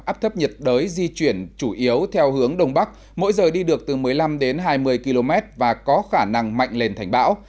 áp thấp nhiệt đới di chuyển chủ yếu theo hướng đông bắc mỗi giờ đi được từ một mươi năm đến hai mươi km và có khả năng mạnh lên thành bão